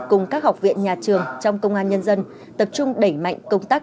cùng các học viện nhà trường trong công an nhân dân tập trung đẩy mạnh công tác